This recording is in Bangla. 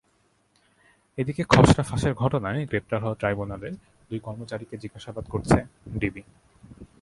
এদিকে খসড়া ফাঁসের ঘটনায় গ্রেপ্তার হওয়া ট্রাইব্যুনালের দুই কর্মচারীকে জিজ্ঞাসাবাদ করছে ডিবি।